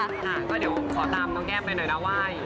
อาแล้วเดี๋ยวผมขอตามน้องแก้มไปหน่อยน่ะว่าย